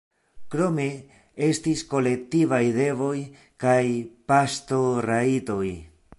Krome estis kolektivaj devoj kaj paŝtorajtoj.